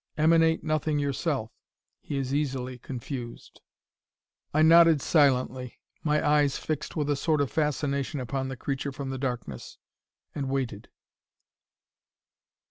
Emanate nothing yourself; he is easily confused." I nodded silently, my eyes fixed with a sort of fascination upon the creature from the darkness, and waited.